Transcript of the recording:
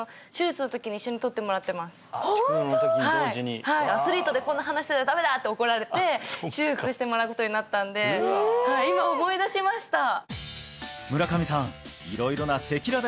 蓄膿のときに同時にアスリートでこんな鼻してたらダメだって怒られて手術してもらうことになったんで今思い出しました村上さん色々な赤裸々